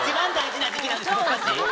僕たち。